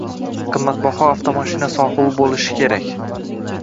Qimmatbaho avtomashina sohibi boʻlishi kerak.